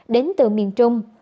đến từ miền trung